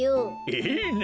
いいね！